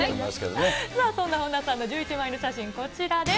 そんな本田さんの１１枚の写真、こちらです。